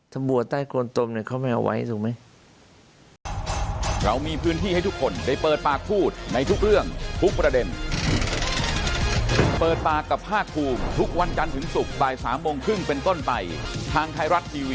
ถ้าบัวใต้โกนตมเขาไม่เอาไว้ถูกมั้ย